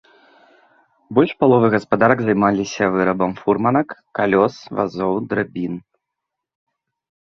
Больш паловы гаспадарак займаліся вырабам фурманак, калёс, вазоў драбін.